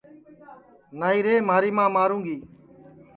نائی رے مھاری ماں ماروں گی